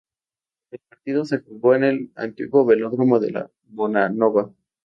El partido se jugó en el antiguo Velódromo de la Bonanova.